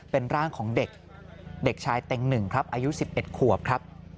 เป็นร่างของเด็กเด็กชายเต็งหนึ่งครับอายุ๑๑ขวบครับ